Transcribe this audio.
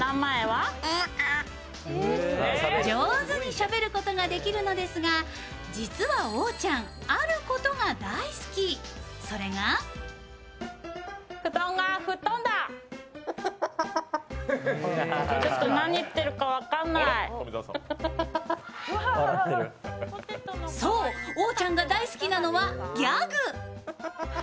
上手にしゃべることができるのですが実はオオちゃんあることが大好き、それがそう、オオちゃんが大好きなのはギャグ。